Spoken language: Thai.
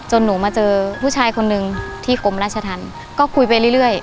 หนูมาเจอผู้ชายคนนึงที่กรมราชธรรมก็คุยไปเรื่อย